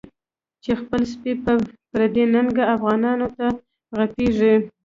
چی خپل سپی په پردی ننګه، افغانانو ته غپیږی